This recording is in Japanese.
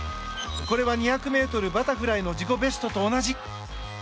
これは２００ｍバタフライの自己ベストと同じ。